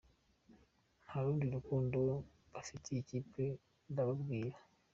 Nta rundi rukundo bafitiye ikipe ndakubwiza.